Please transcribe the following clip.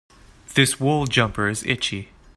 This wool jumper is itchy.